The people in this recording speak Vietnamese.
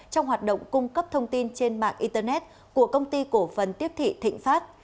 trong hoạt động cung cấp thông tin trên mạng internet của công ty cổ phần tiếp thị thịnh pháp